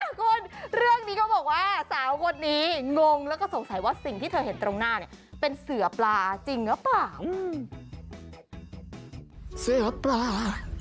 คุณเรื่องนี้ก็บอกว่าสาวคนนี้งงแล้วก็สงสัยว่าสิ่งที่เธอเห็นตรงหน้าเนี่ยเป็นเสือปลาจริงหรือเปล่า